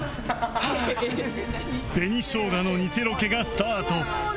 紅しょうがのニセロケがスタートはあ